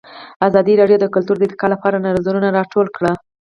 ازادي راډیو د کلتور د ارتقا لپاره نظرونه راټول کړي.